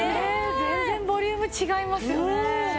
全然ボリューム違いますよね。